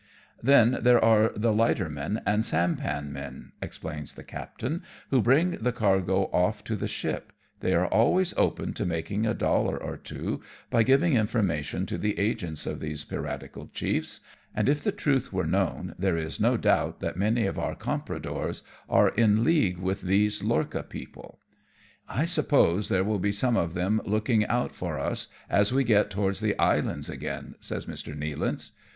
" Then there are the lightermen and sampan men," explains the captain, " who bring the cargo off to the ship ; they are always open to making a dollar or two by giving information to the agents of these piratical chiefs, and if the truth were known there is no doubt that many of our compradores are in league with these lorcha people." " I suppose there will be some of them looking out for us as we get down towards the islands again," says Mr. Nealance.